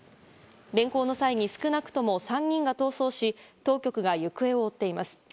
連行の際に少なくとも３人が逃走し当局が行方を追っています。